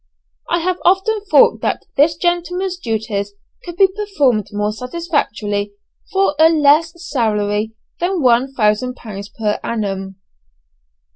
I have often thought that this gentleman's duties could be performed more satisfactorily for a less salary than one thousand pounds per annum!